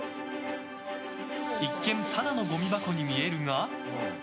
一見ただのごみ箱に見えるが。